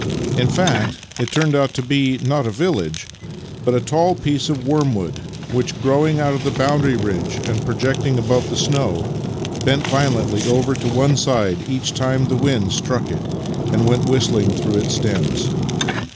In fact, it turned out to be, not a village, but a tall piece of wormwood, which, growing out of a boundary ridge and projecting above the snow, bent violently over to one side each time that the wind struck it and went whistling through its stems.